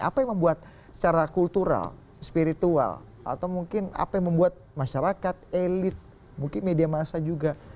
apa yang membuat secara kultural spiritual atau mungkin apa yang membuat masyarakat elit mungkin media massa juga